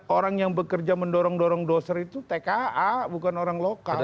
orang yang bekerja mendorong dorong dosen itu tka bukan orang lokal